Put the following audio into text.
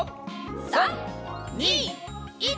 ３２１。